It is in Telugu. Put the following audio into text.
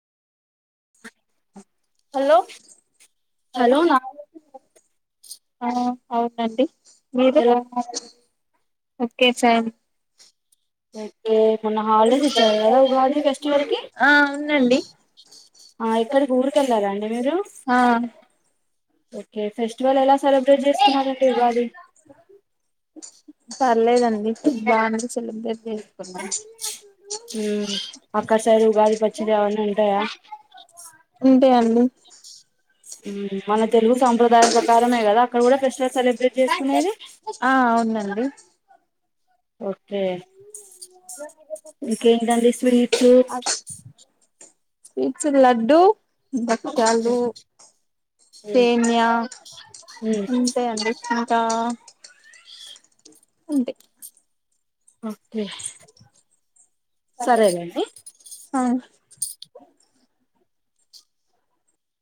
హలో హలో నా ఆ అవునండి మీరు ఎలా ఓకే ఫైన్ ఓకే మొన్న హాలిడేస్ ఇచ్చారు కదా ఉగాది ఫెస్టివల్ కి ఆ అవునండి ఎక్కడికి ఊరికి వెళ్ళారా అండి మీరు ఆ ఓకే ఫెస్టివల్ ఎలా సెలబ్రేట్ చేసుకున్నారండి ఉగాది పర్లేదండి బాగానే సెలబ్రేట్ చేసుకున్నాం హ్మ్ ఒక్క సారి ఉగాది పచ్చది ఏవన్న ఉంటాయా ఉంటే అండి మన తెలుగు సంప్రదాయం ప్రక రమే కదా అక్కడ కూడా ఫెస్టివల్ సెలబ్రేట్ చేసుకునేది ఆ అవునండి ఓకే ఇంకేంటండి స్వీట్సు స్వీట్స్ లడ్డు భక్షాలు మ్మ్ సేమ్యా మ్మ్ ఉంటాయండి త ఉంటే ఓకే సరేనండి ఆ